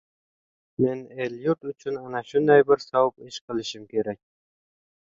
Men el-yurt uchun ana shunday bir savob ish qilgim keldi.